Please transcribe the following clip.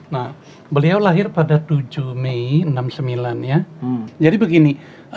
nah beliau lahir pada tujuh mei enam puluh sembilan ya jadi begini